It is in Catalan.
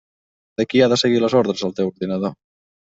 De qui ha de seguir les ordres el teu ordinador?